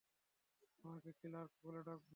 তোমাকে ক্লার্ক বলে ডাকবো?